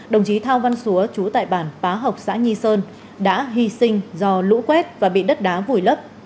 đồng chí thao văn xúa chú tại bản phá học xã nhi sơn đã hy sinh do lũ quét và bị đất đá vùi lấp